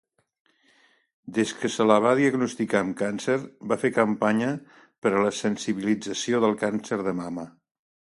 Des que se la va diagnosticar amb càncer, va fer campanya per a la sensibilització del càncer de mama.